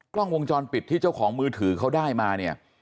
กล้องวงจรปิดที่เจ้าของมือถือเขาได้มาเนี่ย